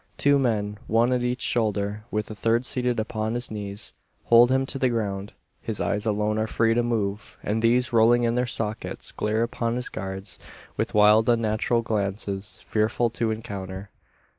Two men, one at each shoulder, with a third seated upon his knees, hold him to the ground. His eyes alone are free to move; and these rolling in their sockets glare upon his guards with wild unnatural glances, fearful to encounter.